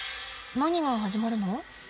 何が始まるの？